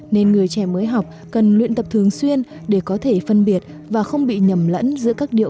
nên người trẻ mới học cần luyện tập thường xuyên để có thể phân biệt và không bị nhầm lẫn giữa các điệu